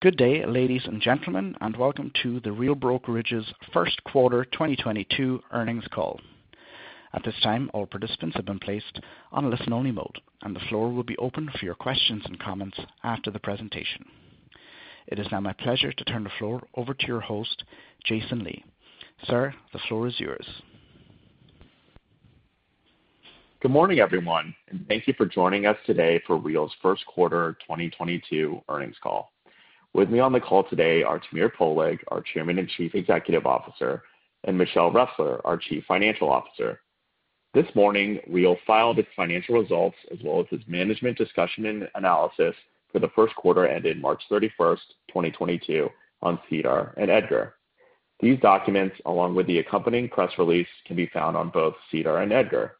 Good day, ladies and gentlemen, and welcome to The Real Brokerage's first quarter 2022 earnings call. At this time, all participants have been placed on listen-only mode, and the floor will be open for your questions and comments after the presentation. It is now my pleasure to turn the floor over to your host, Jason Lee. Sir, the floor is yours. Good morning, everyone, and thank you for joining us today for Real's first quarter 2022 earnings call. With me on the call today are Tamir Poleg, our Chairman and Chief Executive Officer, and Michelle Ressler, our Chief Financial Officer. This morning, Real filed its financial results as well as its management discussion and analysis for the first quarter ending March 31, 2022 on SEDAR and EDGAR. These documents, along with the accompanying press release, can be found on both SEDAR and EDGAR.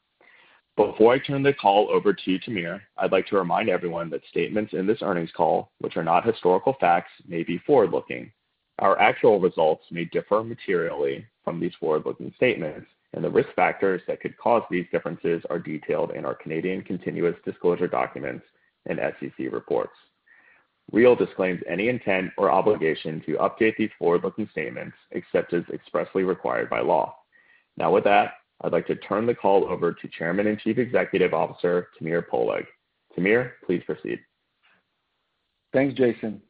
Before I turn the call over to you, Tamir, I'd like to remind everyone that statements in this earnings call, which are not historical facts, may be forward-looking. Our actual results may differ materially from these forward-looking statements, and the risk factors that could cause these differences are detailed in our Canadian continuous disclosure documents and SEC reports. Real disclaims any intent or obligation to update these forward-looking statements except as expressly required by law. Now with that, I'd like to turn the call over to Chairman and Chief Executive Officer, Tamir Poleg. Tamir, please proceed. Thanks, Jason.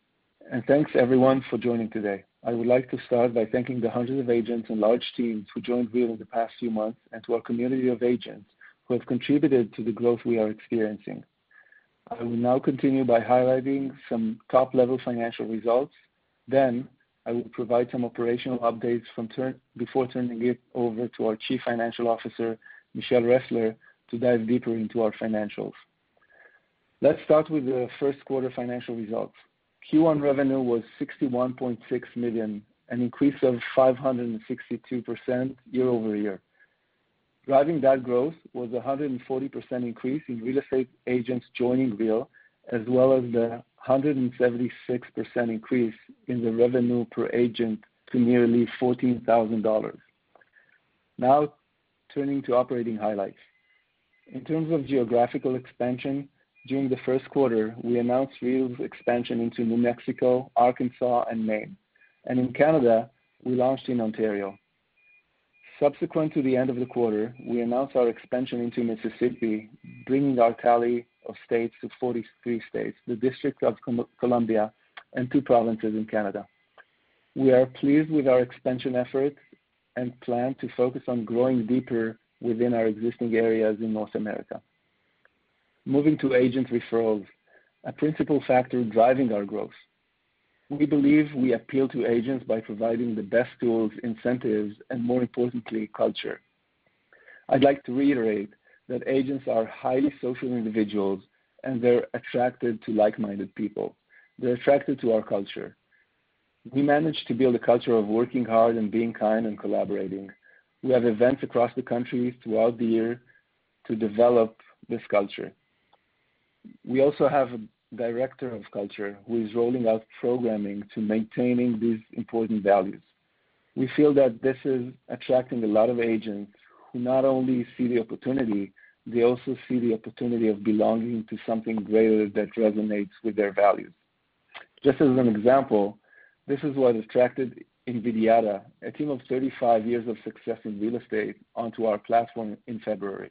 Thanks everyone for joining today. I would like to start by thanking the hundreds of agents and large teams who joined Real in the past few months and to our community of agents who have contributed to the growth we are experiencing. I will now continue by highlighting some top-level financial results. I will provide some operational updates before turning it over to our Chief Financial Officer, Michelle Ressler, to dive deeper into our financials. Let's start with the first quarter financial results. Q1 revenue was $61.6 million, an increase of 562% year-over-year. Driving that growth was a 140% increase in real estate agents joining Real, as well as the 176% increase in the revenue per agent to nearly $14,000. Now turning to operating highlights. In terms of geographical expansion, during the first quarter, we announced Real's expansion into New Mexico, Arkansas, and Maine. In Canada, we launched in Ontario. Subsequent to the end of the quarter, we announced our expansion into Mississippi, bringing our tally of states to 43 states, the District of Columbia, and two provinces in Canada. We are pleased with our expansion efforts and plan to focus on growing deeper within our existing areas in North America. Moving to agent referrals, a principal factor driving our growth. We believe we appeal to agents by providing the best tools, incentives, and more importantly, culture. I'd like to reiterate that agents are highly social individuals, and they're attracted to like-minded people. They're attracted to our culture. We manage to build a culture of working hard and being kind and collaborating. We have events across the country throughout the year to develop this culture. We also have a director of culture who is rolling out programming to maintaining these important values. We feel that this is attracting a lot of agents who not only see the opportunity, they also see the opportunity of belonging to something greater that resonates with their values. Just as an example, this is what attracted Invidiata, a team of 35 years of success in real estate, onto our platform in February.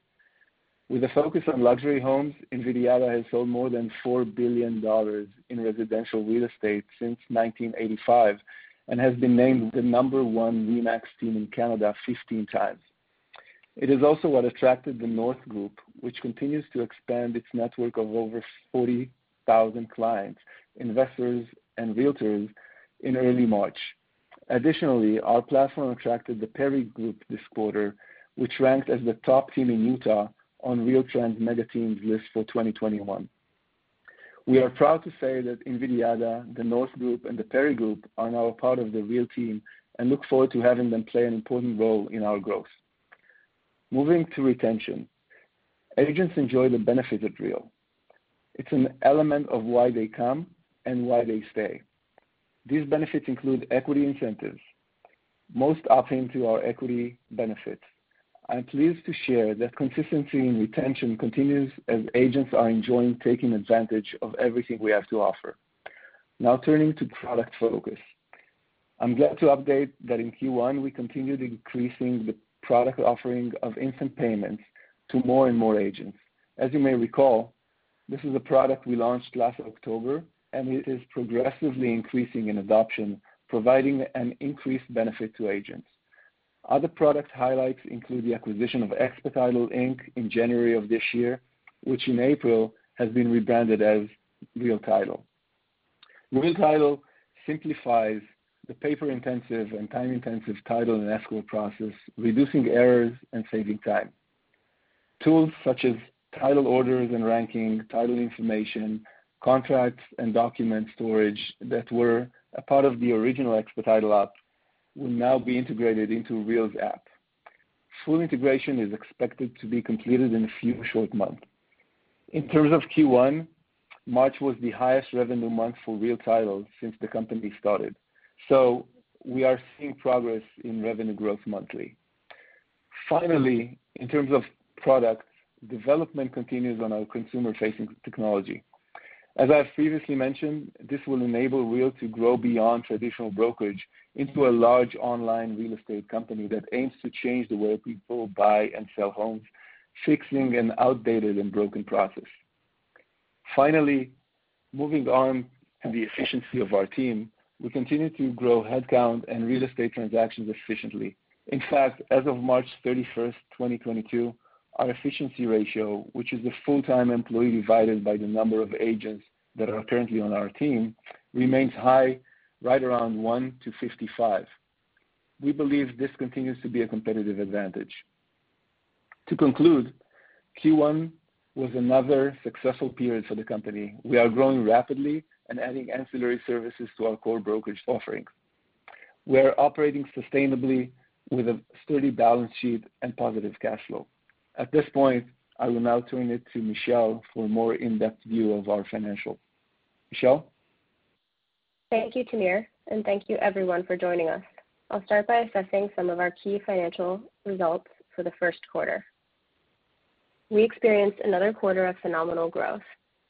With a focus on luxury homes, Invidiata has sold more than $4 billion in residential real estate since 1985 and has been named the number one RE/MAX team in Canada 15x. It is also what attracted the North Group, which continues to expand its network of over 40,000 clients, investors, and realtors in early March. Additionally, our platform attracted The Perry Group this quarter, which ranked as the top team in Utah on RealTrends mega teams list for 2021. We are proud to say that Invidiata, the North Group, and The Perry Group are now a part of the Real team and look forward to having them play an important role in our growth. Moving to retention. Agents enjoy the benefit at Real. It's an element of why they come and why they stay. These benefits include equity incentives, most opt-in to our equity benefit. I'm pleased to share that consistency in retention continues as agents are enjoying taking advantage of everything we have to offer. Now turning to product focus. I'm glad to update that in Q1, we continued increasing the product offering of Instant Payments to more and more agents. As you may recall, this is a product we launched last October, and it is progressively increasing in adoption, providing an increased benefit to agents. Other product highlights include the acquisition of Expetitle, Inc. in January of this year, which in April has been rebranded as Real Title. Real Title simplifies the paper-intensive and time-intensive title and escrow process, reducing errors and saving time. Tools such as title orders and tracking, title information, contracts and document storage that were a part of the original Expetitle app will now be integrated into Real's app. Full integration is expected to be completed in a few short months. In terms of Q1, March was the highest revenue month for Real Title since the company started. We are seeing progress in revenue growth monthly. Finally, in terms of product, development continues on our consumer-facing technology. As I previously mentioned, this will enable Real to grow beyond traditional brokerage into a large online real estate company that aims to change the way people buy and sell homes, fixing an outdated and broken process. Finally, moving on to the efficiency of our team, we continue to grow headcount and real estate transactions efficiently. In fact, as of March 31, 2022, our efficiency ratio, which is the full-time employee divided by the number of agents that are currently on our team, remains high right around 1 to 55. We believe this continues to be a competitive advantage. To conclude, Q1 was another successful period for the company. We are growing rapidly and adding ancillary services to our core brokerage offerings. We are operating sustainably with a sturdy balance sheet and positive cash flow. At this point, I will now turn it to Michelle for a more in-depth view of our financials. Michelle? Thank you, Tamir, and thank you everyone for joining us. I'll start by assessing some of our key financial results for the first quarter. We experienced another quarter of phenomenal growth.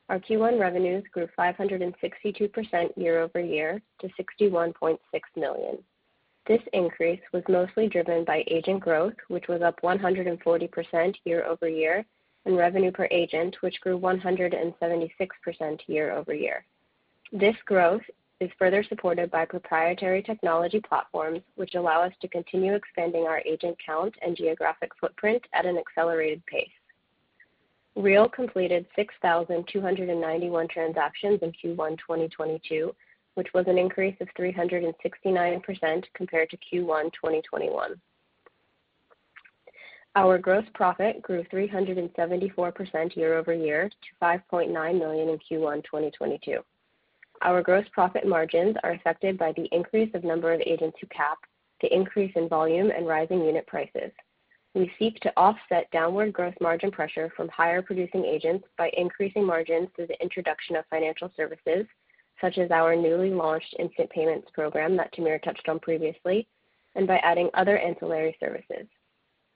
Our Q1 revenues grew 562% year-over-year to $61.6 million. This increase was mostly driven by agent growth, which was up 140% year-over-year, and revenue per agent, which grew 176% year-over-year. This growth is further supported by proprietary technology platforms, which allow us to continue expanding our agent count and geographic footprint at an accelerated pace. Real completed 6,291 transactions in Q1, 2022, which was an increase of 369% compared to Q1, 2021. Our gross profit grew 374% year-over-year to $5.9 million in Q1 2022. Our gross profit margins are affected by the increase of number of agents who cap the increase in volume and rising unit prices. We seek to offset downward growth margin pressure from higher producing agents by increasing margins through the introduction of financial services, such as our newly launched Instant Payments program that Tamir touched on previously, and by adding other ancillary services.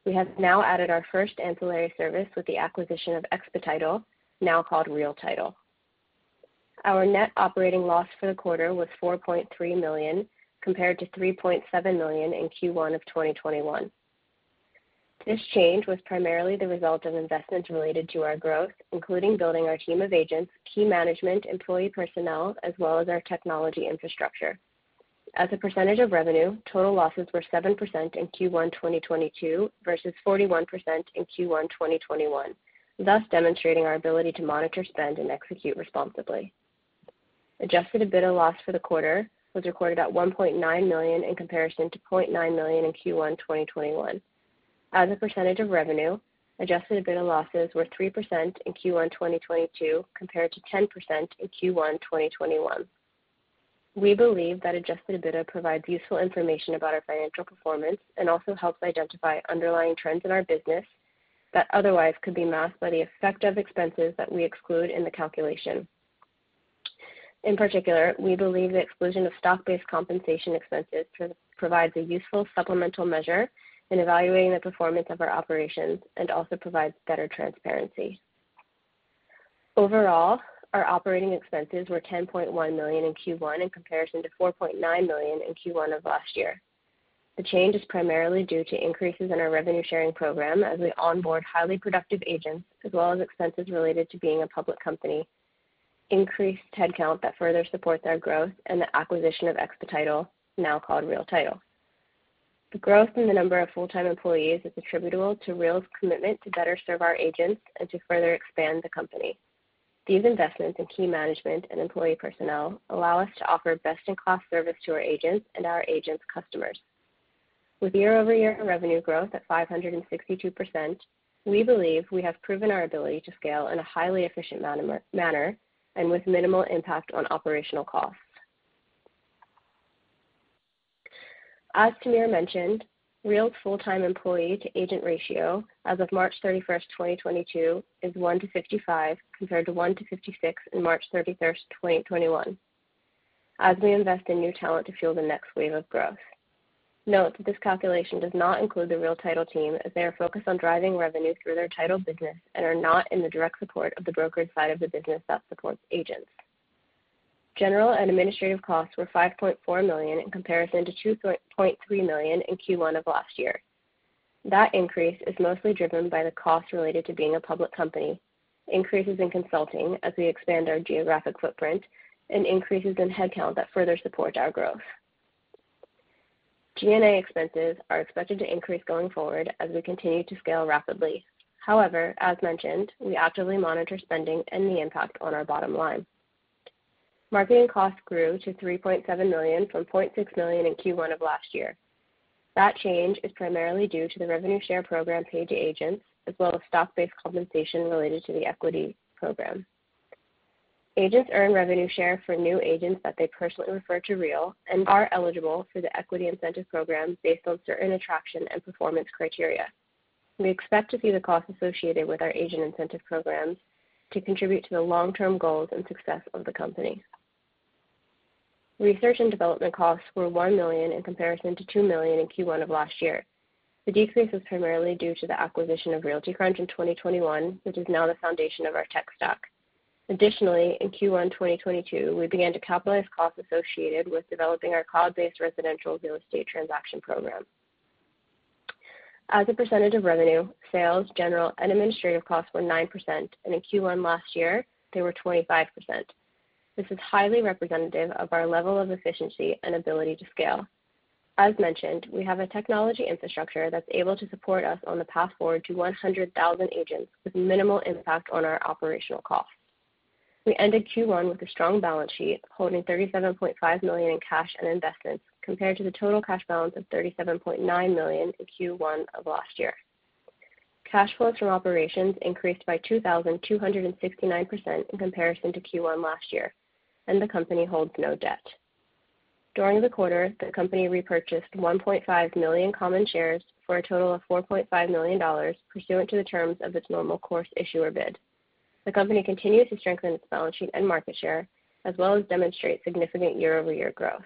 We have now added our first ancillary service with the acquisition of Expetitle, now called The Real Title. Our net operating loss for the quarter was $4.3 million, compared to $3.7 million in Q1 of 2021. This change was primarily the result of investments related to our growth, including building our team of agents, key management, employee personnel, as well as our technology infrastructure. As a percentage of revenue, total losses were 7% in Q1 2022 versus 41% in Q1 2021, thus demonstrating our ability to monitor, spend, and execute responsibly. Adjusted EBITDA loss for the quarter was recorded at $1.9 million in comparison to $0.9 million in Q1 2021. As a percentage of revenue, adjusted EBITDA losses were 3% in Q1 2022 compared to 10% in Q1 2021. We believe that adjusted EBITDA provides useful information about our financial performance and also helps identify underlying trends in our business that otherwise could be masked by the effect of expenses that we exclude in the calculation. In particular, we believe the exclusion of stock-based compensation expenses provides a useful supplemental measure in evaluating the performance of our operations and also provides better transparency. Overall, our operating expenses were $10.1 million in Q1 in comparison to $4.9 million in Q1 of last year. The change is primarily due to increases in our revenue sharing program as we onboard highly productive agents, as well as expenses related to being a public company, increased headcount that further supports our growth, and the acquisition of Expetitle, now called The Real Title. The growth in the number of full-time employees is attributable to Real's commitment to better serve our agents and to further expand the company. These investments in key management and employee personnel allow us to offer best in class service to our agents and our agents' customers. With year-over-year revenue growth at 562%, we believe we have proven our ability to scale in a highly efficient manner and with minimal impact on operational costs. As Tamir mentioned, Real's full-time employee to agent ratio as of March 31, 2022 is 1 to 55, compared to 1 to 56 in March 31, 2021 as we invest in new talent to fuel the next wave of growth. Note that this calculation does not include the Real Title team, as they are focused on driving revenue through their title business and are not in the direct support of the brokerage side of the business that supports agents. General and administrative costs were $5.4 million in comparison to $2.3 million in Q1 of last year. That increase is mostly driven by the costs related to being a public company, increases in consulting as we expand our geographic footprint, and increases in headcount that further support our growth. G&A expenses are expected to increase going forward as we continue to scale rapidly. However, as mentioned, we actively monitor spending and the impact on our bottom line. Marketing costs grew to $3.7 million from $0.6 million in Q1 of last year. That change is primarily due to the revenue share program paid to agents, as well as stock-based compensation related to the equity program. Agents earn revenue share for new agents that they personally refer to Real and are eligible for the equity incentive program based on certain attraction and performance criteria. We expect to see the costs associated with our agent incentive programs to contribute to the long-term goals and success of the company. Research and development costs were $1 million in comparison to $2 million in Q1 of last year. The decrease is primarily due to the acquisition of RealtyCrunch in 2021, which is now the foundation of our tech stack. Additionally, in Q1 2022, we began to capitalize costs associated with developing our cloud-based residential real estate transaction program. As a percentage of revenue, sales, general and administrative costs were 9%, and in Q1 last year, they were 25%. This is highly representative of our level of efficiency and ability to scale. As mentioned, we have a technology infrastructure that's able to support us on the path forward to 100,000 agents with minimal impact on our operational costs. We ended Q1 with a strong balance sheet, holding $37.5 million in cash and investments compared to the total cash balance of $37.9 million in Q1 of last year. Cash flows from operations increased by 2,269% in comparison to Q1 last year, and the company holds no debt. During the quarter, the company repurchased 1.5 million common shares for a total of $4.5 million pursuant to the terms of its normal course issuer bid. The company continues to strengthen its balance sheet and market share, as well as demonstrate significant year-over-year growth.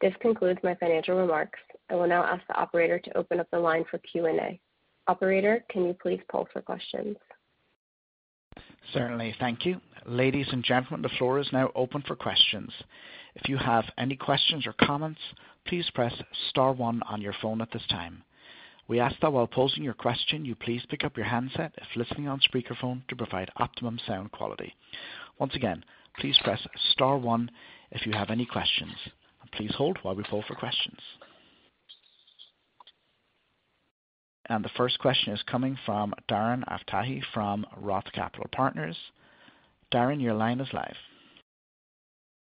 This concludes my financial remarks. I will now ask the operator to open up the line for Q&A. Operator, can you please poll for questions? Certainly. Thank you. Ladies and gentlemen, the floor is now open for questions. If you have any questions or comments, please press star one on your phone at this time. We ask that while posing your question, you please pick up your handset if listening on speakerphone to provide optimum sound quality. Once again, please press star one if you have any questions. Please hold while we poll for questions. The first question is coming from Darren Aftahi from Roth Capital Partners. Darren, your line is live.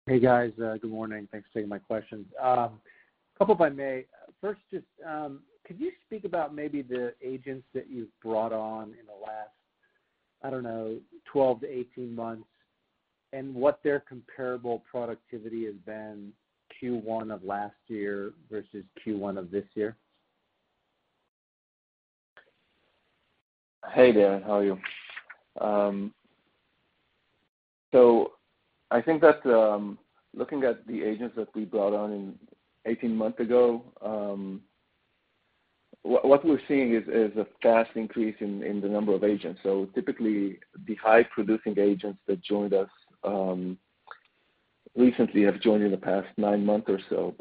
Hey, guys. Good morning. Thanks for taking my questions. A couple if I may. First, just, could you speak about maybe the agents that you've brought on in the last, I don't know, 12-18 months and what their comparable productivity has been Q1 of last year versus Q1 of this year? Hey, Darren. How are you? I think that, looking at the agents that we brought on 18 months ago, what we're seeing is a fast increase in the number of agents. Typically, the high-producing agents that joined us recently have joined in the past nine months or so.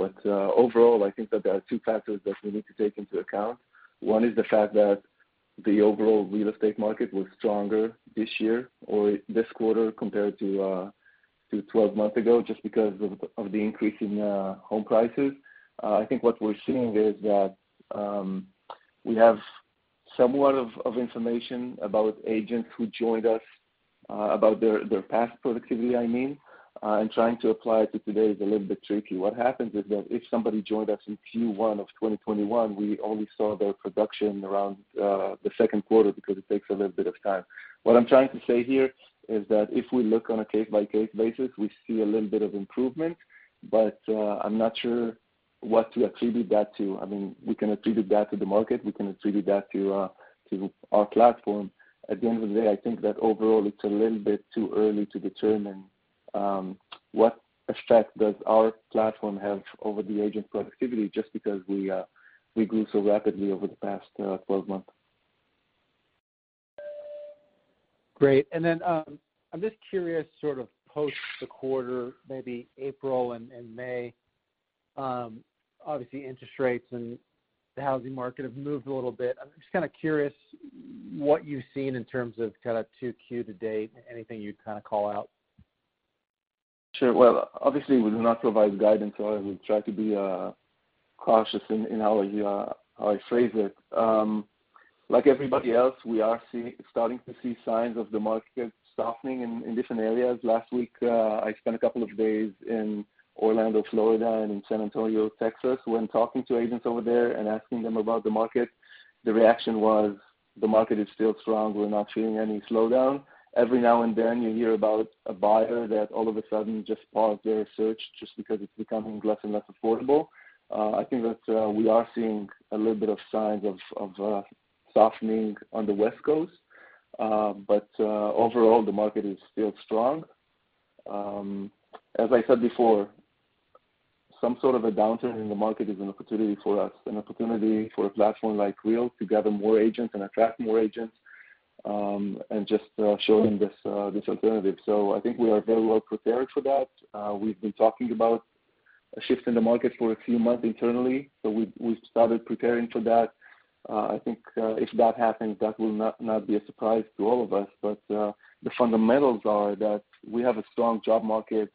Overall, I think that there are two factors that we need to take into account. One is the fact that the overall real estate market was stronger this year or this quarter compared to 12 months ago, just because of the increase in home prices. I think what we're seeing is that we have somewhat of information about agents who joined us, about their past productivity, I mean, and trying to apply it to today is a little bit tricky. What happens is that if somebody joined us in Q1 of 2021, we only saw their production around the second quarter because it takes a little bit of time. What I'm trying to say here is that if we look on a case-by-case basis, we see a little bit of improvement, but I'm not sure what to attribute that to. I mean, we can attribute that to the market. We can attribute that to our platform. At the end of the day, I think that overall it's a little bit too early to determine what effect does our platform have over the agent productivity just because we grew so rapidly over the past 12 months. Great. I'm just curious, sort of post the quarter, maybe April and May, obviously interest rates and the housing market have moved a little bit. I'm just kinda curious what you've seen in terms of kinda 2Q to date, anything you'd kinda call out. Sure. Well, obviously, we do not provide guidance, so I will try to be cautious in how I phrase it. Like everybody else, we are starting to see signs of the market softening in different areas. Last week, I spent a couple of days in Orlando, Florida, and in San Antonio, Texas. When talking to agents over there and asking them about the market, the reaction was, "The market is still strong. We're not seeing any slowdown." Every now and then you hear about a buyer that all of a sudden just paused their search just because it's becoming less and less affordable. I think that we are seeing a little bit of signs of softening on the West Coast. But overall, the market is still strong. As I said before, some sort of a downturn in the market is an opportunity for us, an opportunity for a platform like Real to gather more agents and attract more agents, and just showing this alternative. I think we are very well prepared for that. We've been talking about a shift in the market for a few months internally, so we've started preparing for that. I think if that happens, that will not be a surprise to all of us. The fundamentals are that we have a strong job market.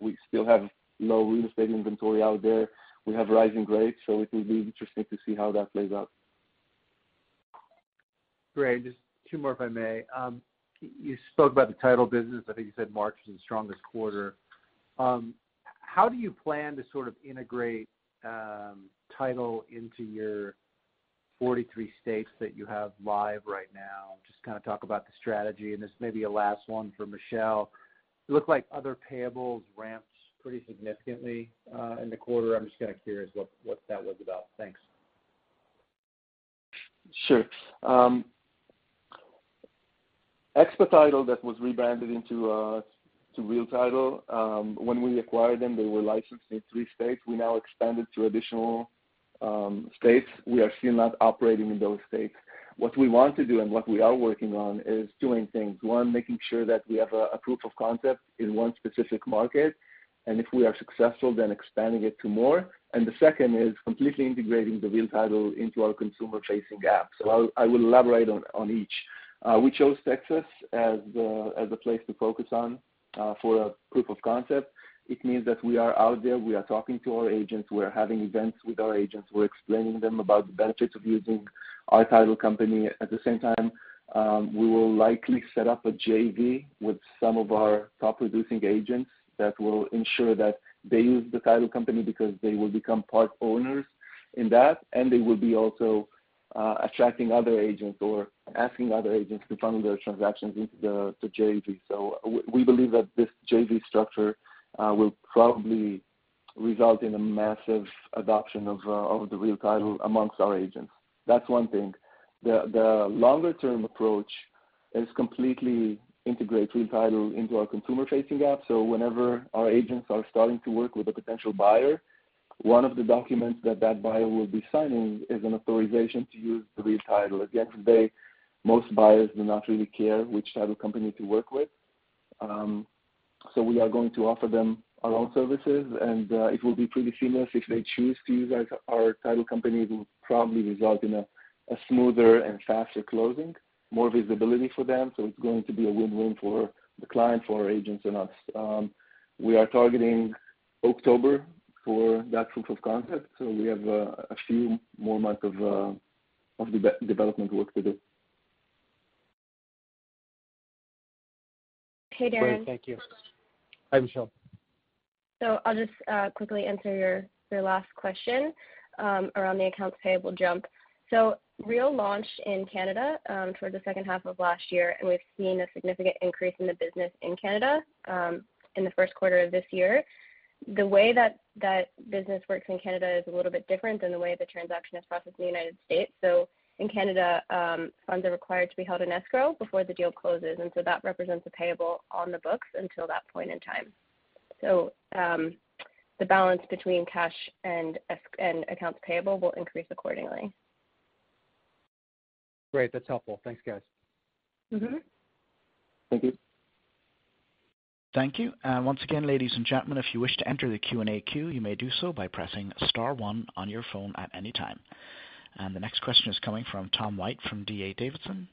We still have low real estate inventory out there. We have rising rates, so it will be interesting to see how that plays out. Great. Just two more, if I may. You spoke about the title business. I think you said March was the strongest quarter. How do you plan to sort of integrate title into your 43 states that you have live right now? Just kinda talk about the strategy. This may be a last one for Michelle. It looked like other payables ramped pretty significantly in the quarter. I'm just kinda curious what that was about. Thanks. Sure. Expetitle that was rebranded into The Real Title, when we acquired them, they were licensed in three states. We now expanded to additional states. We are still not operating in those states. What we want to do and what we are working on is doing things. One, making sure that we have a proof of concept in one specific market, and if we are successful then expanding it to more. The second is completely integrating The Real Title into our consumer-facing app. I will elaborate on each. We chose Texas as the place to focus on, for a proof of concept. It means that we are out there, we are talking to our agents, we're having events with our agents, we're explaining them about the benefits of using our title company. At the same time, we will likely set up a JV with some of our top producing agents that will ensure that they use the title company because they will become part owners in that, and they will be also attracting other agents or asking other agents to funnel their transactions into the JV. We believe that this JV structure will probably result in a massive adoption of the Real Title among our agents. That's one thing. The longer-term approach is to completely integrate Real Title into our consumer-facing app. Whenever our agents are starting to work with a potential buyer, one of the documents that that buyer will be signing is an authorization to use the Real Title. At the end of the day, most buyers do not really care which title company to work with. We are going to offer them our own services and it will be pretty seamless if they choose to use our title company. It will probably result in a smoother and faster closing, more visibility for them, so it's going to be a win-win for the client, for our agents and us. We are targeting October for that proof of concept, so we have a few more months of development work to do. Hey, Darren. Great. Thank you. Hi, Michelle. I'll just quickly answer your last question around the accounts payable jump. Real launched in Canada towards the second half of last year, and we've seen a significant increase in the business in Canada in the first quarter of this year. The way that business works in Canada is a little bit different than the way the transaction is processed in the United States. In Canada, funds are required to be held in escrow before the deal closes, and that represents a payable on the books until that point in time. The balance between cash and accounts payable will increase accordingly. Great. That's helpful. Thanks, guys. Mm-hmm. Thank you. Thank you. Once again, ladies and gentlemen, if you wish to enter the Q&A queue, you may do so by pressing star one on your phone at any time. The next question is coming from Tom White from D.A. Davidson.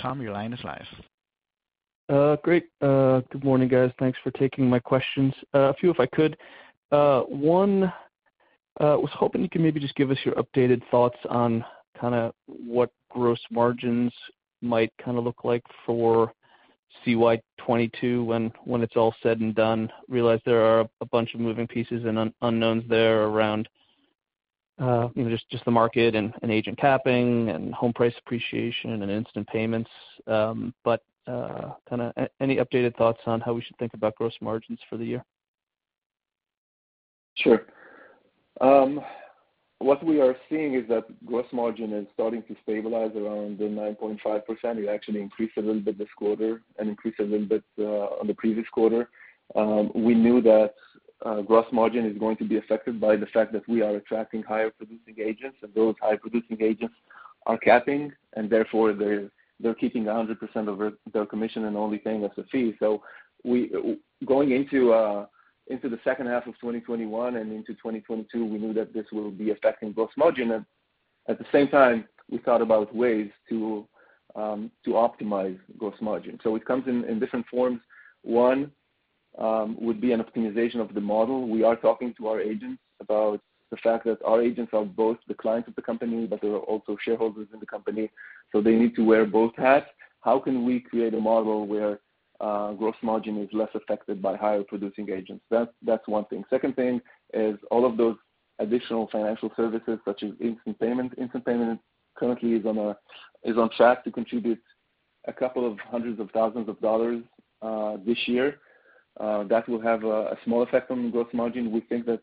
Tom, your line is live. Great. Good morning, guys. Thanks for taking my questions. A few if I could. One, was hoping you could maybe just give us your updated thoughts on kinda what gross margins might kinda look like for CY 2022 when it's all said and done. Realize there are a bunch of moving pieces and unknowns there around, you know, just the market and agent capping and home price appreciation and Instant Payments. Kinda any updated thoughts on how we should think about gross margins for the year? Sure. What we are seeing is that gross margin is starting to stabilize around 9.5%. It actually increased a little bit this quarter and increased a little bit on the previous quarter. We knew that gross margin is going to be affected by the fact that we are attracting higher producing agents, and those high producing agents are capping and therefore they're keeping 100% of their commission and only paying us a fee. Going into the second half of 2021 and into 2022, we knew that this will be affecting gross margin. At the same time, we thought about ways to optimize gross margin. It comes in different forms. One would be an optimization of the model. We are talking to our agents about the fact that our agents are both the clients of the company, but they are also shareholders in the company, so they need to wear both hats. How can we create a model where gross margin is less affected by higher producing agents? That's one thing. Second thing is all of those additional financial services such as Instant Payments. Instant Payments currently is on track to contribute $200,000 this year. That will have a small effect on the gross margin. We think that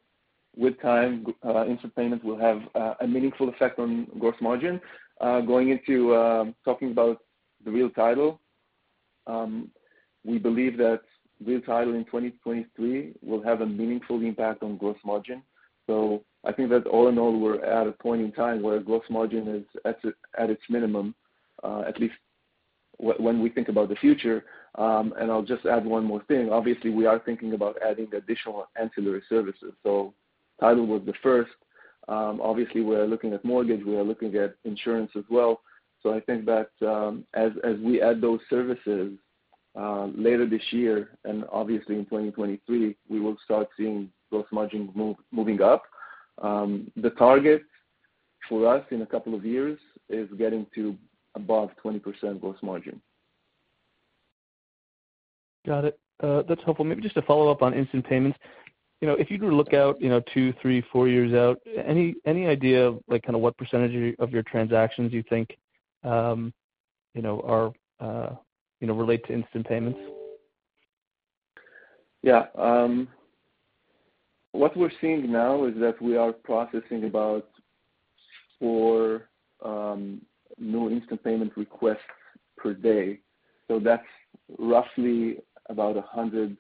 with time, Instant Payments will have a meaningful effect on gross margin. Going into talking about the Real Title, we believe that Real Title in 2023 will have a meaningful impact on gross margin. I think that all in all, we're at a point in time where gross margin is at its minimum, at least when we think about the future. I'll just add one more thing. Obviously, we are thinking about adding additional ancillary services. Title was the first. Obviously we're looking at mortgage, we are looking at insurance as well. I think that, as we add those services, later this year and obviously in 2023, we will start seeing gross margin moving up. The target for us in a couple of years is getting to above 20% gross margin. Got it. That's helpful. Maybe just to follow up on Instant Payments. You know, if you were to look out, you know, two, three, four years out, any idea of like kinda what percentage of your transactions you think, you know, are, you know, relate to Instant Payments? Yeah. What we're seeing now is that we are processing about four new Instant Payments requests per day. That's roughly about 100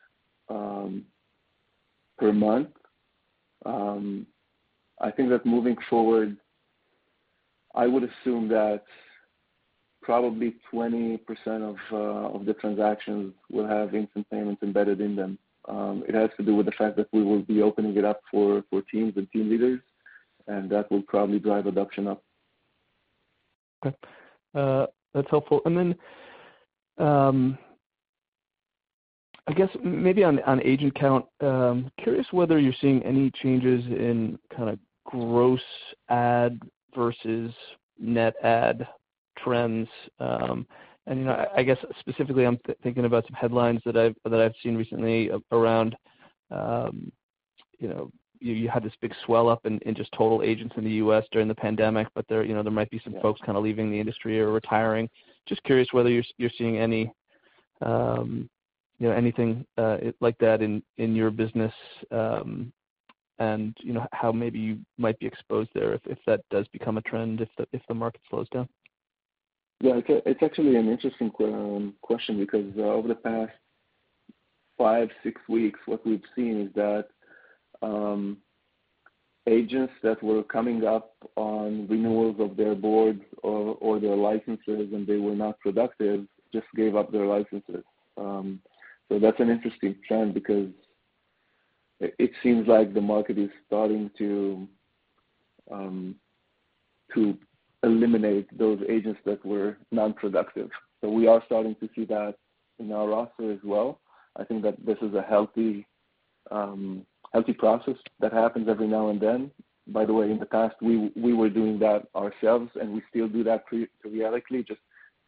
per month. I think that moving forward, I would assume that probably 20% of the transactions will have Instant Payments embedded in them. It has to do with the fact that we will be opening it up for teams and team leaders, and that will probably drive adoption up. Okay. That's helpful. I guess maybe on agent count, curious whether you're seeing any changes in kinda gross add versus net add trends. You know, I guess specifically I'm thinking about some headlines that I've seen recently around, you know, you had this big swell up in just total agents in the U.S. during the pandemic, but there, you know, there might be some folks kinda leaving the industry or retiring. Just curious whether you're seeing any, you know, anything like that in your business. You know, how maybe you might be exposed there if that does become a trend, if the market slows down. Yeah. It's actually an interesting question because over the past 5, 6 weeks, what we've seen is that agents that were coming up on renewals of their boards or their licenses and they were not productive just gave up their licenses. That's an interesting trend because it seems like the market is starting to eliminate those agents that were non-productive. We are starting to see that in our roster as well. I think that this is a healthy process that happens every now and then. By the way, in the past, we were doing that ourselves, and we still do that periodically, just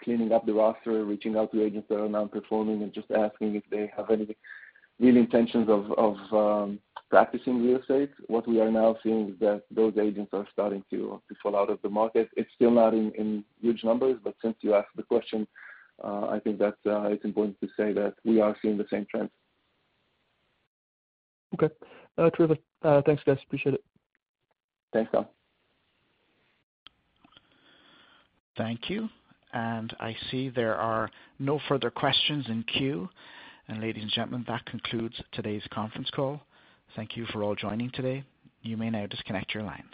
cleaning up the roster, reaching out to agents that are non-performing and just asking if they have any real intentions of practicing real estate. What we are now seeing is that those agents are starting to fall out of the market. It's still not in huge numbers, but since you asked the question, I think that it's important to say that we are seeing the same trends. Okay. Terrific. Thanks, guys. Appreciate it. Thanks, Tom White. Thank you. I see there are no further questions in queue. Ladies and gentlemen, that concludes today's conference call. Thank you for all joining today. You may now disconnect your lines.